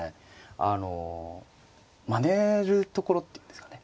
あのまねるところっていうんですかね。